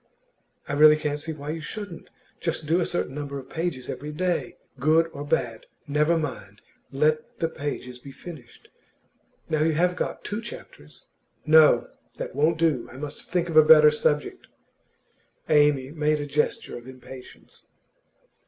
'I really can't see why you shouldn't. Just do a certain number of pages every day. Good or bad, never mind; let the pages be finished. Now you have got two chapters ' 'No; that won't do. I must think of a better subject.' Amy made a gesture of impatience.